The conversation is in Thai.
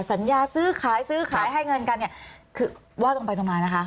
สัญญาซื้อขายซื้อขายให้เงินกันเนี่ยคือว่าตรงไปตรงมานะคะ